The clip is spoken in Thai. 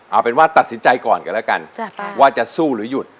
เอาเป็นว่าตัดสินใจก่อนกันแล้วกันว่าจะสู้หรือหยุด